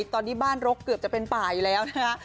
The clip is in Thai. ตอนนี้บ้านรกเกือบจะเป็นป่าอยู่แล้วนะคะ